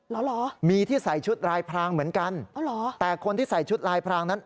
เหรอมีที่ใส่ชุดลายพรางเหมือนกันอ๋อเหรอแต่คนที่ใส่ชุดลายพรางนั้น